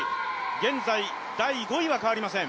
現在、第５位は変わりません。